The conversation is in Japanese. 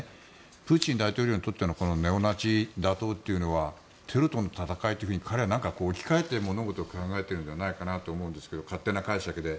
プーチン大統領にとってのネオナチ打倒というのはテロとの戦いのときみたいに彼は、置き換えて物事を考えているんじゃないかなと思うんですけど勝手な解釈で。